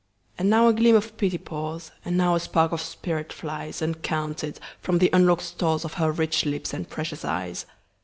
And now a gleam of pity pours, And now a spark of spirit flies, Uncounted, from the unlock'd storesOf her rich lips and precious eyes.